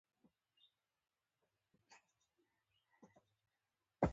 په نوبت کې درېدل ناروا کار ښکاري.